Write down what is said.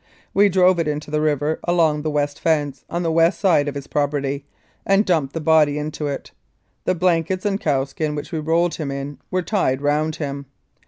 We drove into the river along the west fence, on the west side of his property, and dumped the body into it. The blankets and cow skin which we rolled him in were tied round him.